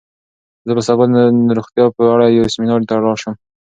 زه به سبا د روغتیا په اړه یو سیمینار ته لاړ شم.